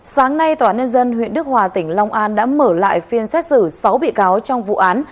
sáng nay tòa án nhân dân huyện đức hòa tỉnh long an đã mở lại phiên xét xử sáu bị cáo trong vụ án